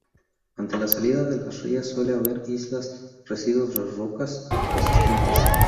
Ante la salida de las rías suele haber islas, residuos de rocas resistentes.